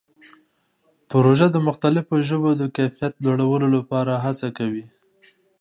پروژه د مختلفو ژبو د کیفیت لوړولو لپاره هڅه کوي.